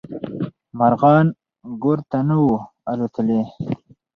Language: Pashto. مارغان ګور ته نه وو الوتلي.